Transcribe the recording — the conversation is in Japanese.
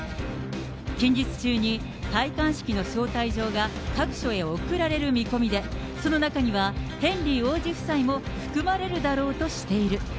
近日中に、戴冠式の招待状が各所へ送られる見込みで、その中にはヘンリー王子夫妻も含まれるだろうとしている。